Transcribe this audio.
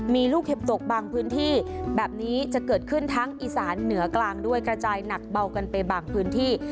มีลูกเห็บตกบางพื้นที่แบบนี้จะเกิดขึ้นทั้งอีสานเหนือกลางด้วยกระจายหนักเบากันไปบางพื้นที่